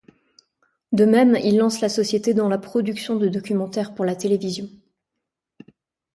De même, il lance la Société dans la production de documentaires pour la télévision.